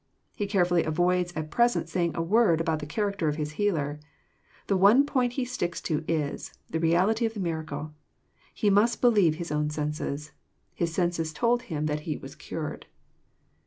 He carefully avoids at present saying a word about ;the character of his Healer. The one point he sticks to is, the /reality of the miracle. He must believe his own senses. His ' senses told him that he was cured.